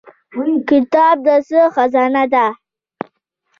کتاب د څه خزانه ده؟